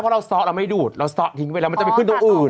เพราะเราซ้อเราไม่ดูดเราซ้อทิ้งไปแล้วมันจะไปขึ้นตรงอื่น